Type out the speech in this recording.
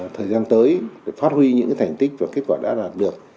thời gian tới phát huy những cái thành tích và kết quả đã đạt được